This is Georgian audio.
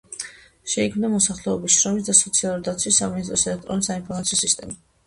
შეიქმნა მოსახლეობის შრომის და სოციალური დაცვის სამინისტროს ელექტრონული საინფორმაციო სისტემა.